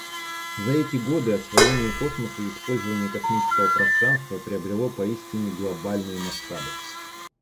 За эти годы освоение космоса и использование космического пространства приобрело поистине глобальные масштабы.